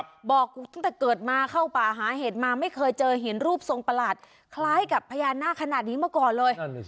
บอกตั้งแต่เกิดมาเข้าป่าหาเห็ดมาไม่เคยเจอหินรูปทรงประหลาดคล้ายกับพญานาคขนาดนี้มาก่อนเลย